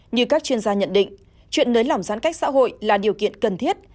như các chuyên gia nhận định chuyện nới lỏng giãn cách xã hội là điều kiện cần thiết